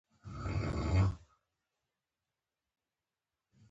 پیاله د زړه د سوز همکار ده.